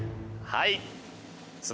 はい！